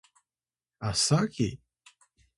asa ki!